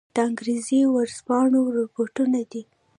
د انګرېزي ورځپاڼو رپوټونه دي.